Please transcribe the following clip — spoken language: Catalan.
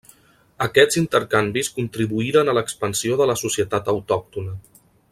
Aquests intercanvis contribuïren a l'expansió de la societat autòctona.